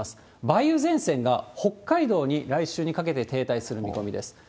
梅雨前線が北海道に来週にかけて停滞する見込みです。